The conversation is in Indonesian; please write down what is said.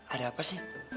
ada apa sih